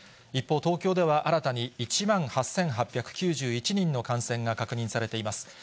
一方、東京では新たに１万８８９１人の感染が確認されています。